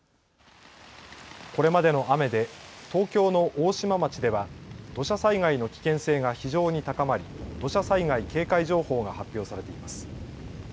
これまでの雨で東京の大島町では土砂災害の危険性が非常に高まり土砂災害警戒情報が発表されています。